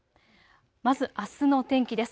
まずあすの天気です。